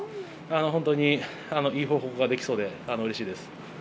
本当にいい報告ができそうで嬉しいです。